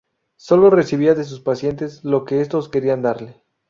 Solo recibía de sus pacientes lo que estos querían darle.